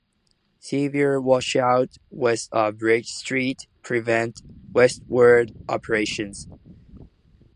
Severe washouts west of Bridge Street prevent westward operations.